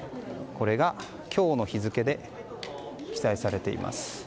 これが今日の日付で記載されています。